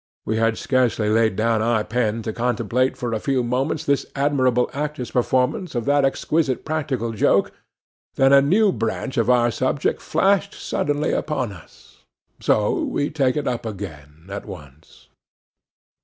We had scarcely laid down our pen to contemplate for a few moments this admirable actor's performance of that exquisite practical joke, than a new branch of our subject flashed suddenly upon us. So we take it up again at once.